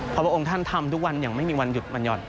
เพราะพระองค์ท่านทำทุกวันอย่างไม่มีวันหยุดวันหย่อน